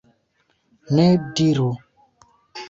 Ne diru!